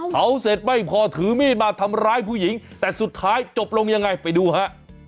เสร็จไม่พอถือมีดมาทำร้ายผู้หญิงแต่สุดท้ายจบลงยังไงไปดูฮะ